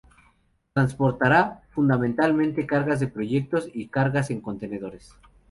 Transportará fundamentalmente cargas de proyectos y cargas en contenedores.